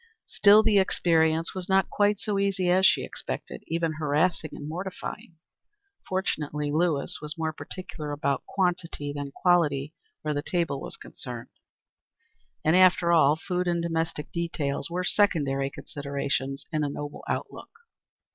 Still the experience was not quite so easy as she expected; even harassing and mortifying. Fortunately, Lewis was more particular about quantity than quality where the table was concerned; and, after all, food and domestic details were secondary considerations in a noble outlook.